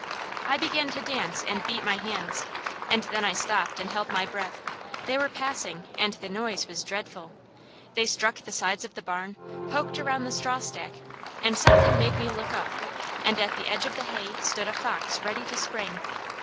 I began to dance and beat my hands, and then I stopped and held my breath. They were passing, and the noise was dreadful. They struck the sides of the barn, poked around the strawstack, and something made me look up, and at the edge of the hay stood a fox ready to spring.